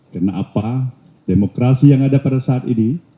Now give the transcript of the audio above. kenapa demokrasi yang ada pada saat ini